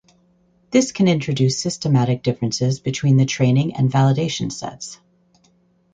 This can introduce systematic differences between the training and validation sets.